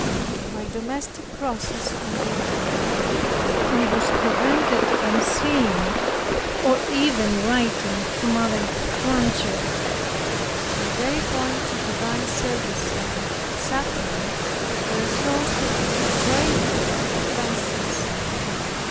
My domestic crosses continued. I was prevented from seeing or even writing to Mrs. Granger. My very going to divine service or the sacrament, were a source of woeful offences.